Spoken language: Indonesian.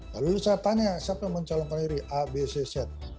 lalu saya tanya siapa yang mencalonkan diri a b cz